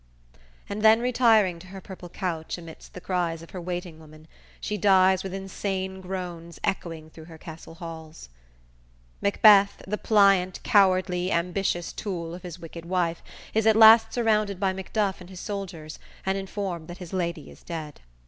"_ And then retiring to her purple couch, amidst the cries of her waiting woman, she dies with insane groans echoing through her castle halls. Macbeth, the pliant, cowardly, ambitious tool of his wicked wife, is at last surrounded by Macduff and his soldiers, and informed that his lady is dead.